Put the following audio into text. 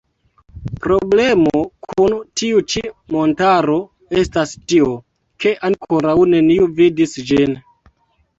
Problemo kun tiu ĉi montaro estas tio, ke ankoraŭ neniu vidis ĝin.